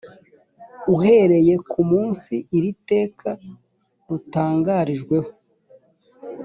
uhereye ku munsi iri teka rutangarijweho